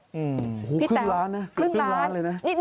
ห฻ขึ้นล้านนะครึ่งล้าน